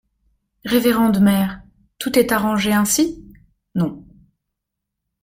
Révérende mère, tout est arrangé ainsi ? Non.